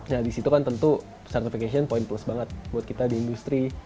nah disitu kan tentu certification point plus banget buat kita di industri